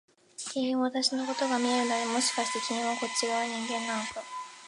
君も私のことが見えるんだね、もしかして君もこっち側の人間なのか？